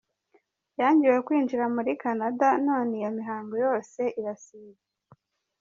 Yangiwe kwinjira muri Canada none iyo mihango yose irasibye!